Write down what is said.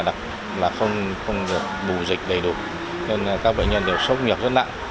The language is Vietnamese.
các bệnh nhân không được bù dịch đầy đủ nên các bệnh nhân đều sốc nghiệp rất nặng